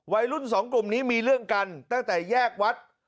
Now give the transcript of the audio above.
วัยรุ่นสองกลุ่มนี้มีเรื่องกันตั้งแต่แยกวัด